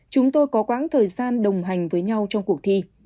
chúng tôi có quãng thời gian đồng hành với nhau trong cuộc thi